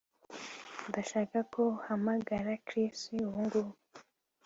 Ndashaka ko uhamagara Chris ubungubu